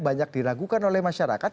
banyak diragukan oleh masyarakat